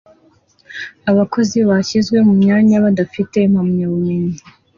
abakozi bashyizwe mu myanya badafite impamyabumenyi